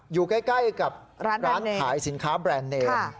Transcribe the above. อยู่ใกล้กับร้านขายสินค้าแบรนด์เนม